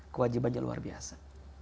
kewajibannya luar biasa